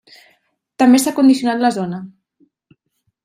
També s'ha condicionat la zona.